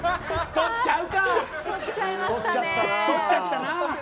とっちゃったな。